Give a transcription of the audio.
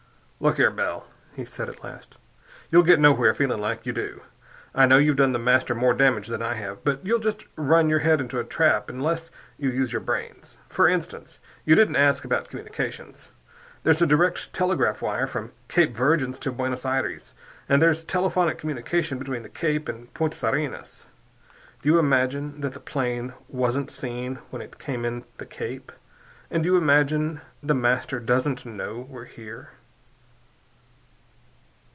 "Look here, Bell," he said at last, "you'll get nowhere feeling like you do. I know you've done The Master more damage than I have, but you'll just run your head into a trap unless you use your brains. For instance, you didn't ask about communications. There's a direct telegraph wire from Cape Virgins to Buenos Aires, and there's telephonic communication between the Cape and Punta Arenas. Do you imagine that the plane wasn't seen when it came in the Cape? And do you imagine The Master doesn't know we're here?"